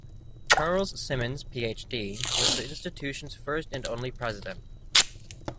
Charles Simmons Ph.D., was the institution's first and only president.